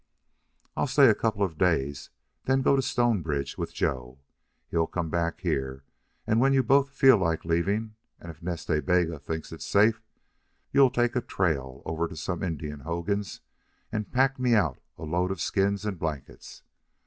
"I'll stay a couple of days, then go to Stonebridge with Joe. He'll come back here, and when you both feel like leaving, and if Nas Ta Bega thinks it safe, you'll take a trail over to some Indian hogans and pack me out a load of skins and blankets....